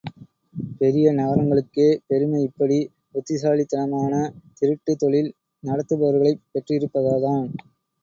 பெரிய நகரங்களுக்கே பெருமை இப்படி புத்திசாலித்தனமான திருட்டுத் தொழில் நடத்துபவர்களைப் பெற்றிருப்பதால்தான்.